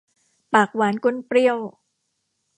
ปากหวานก้นเปรี้ยว